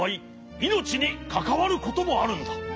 いのちにかかわることもあるんだ。